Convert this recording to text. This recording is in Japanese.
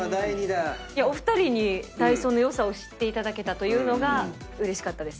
お二人にダイソーの良さを知っていただけたというのがうれしかったです。